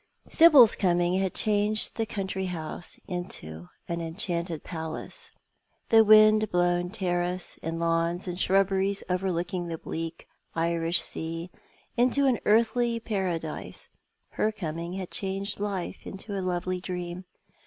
Sibyl's coming had changed the country hbuse into an enchanted palace, the wind blown terrace and lawns and shrubberies overlooking the bleak Irish Sea into an earthly paradise. Her coming had changed life into a lovely dream.